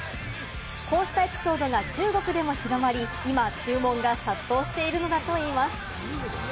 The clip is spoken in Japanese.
こうしたエピソードが中国でも広まり、今、注文が殺到しているのだといいます。